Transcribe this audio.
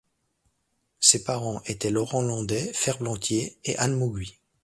Ses parents étaient Laurent Landais, ferblantier, et Anne Mauguy.